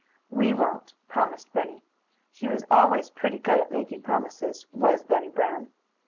"We won't," promised Bunny. He was always pretty good at making promises, was Bunny Brown.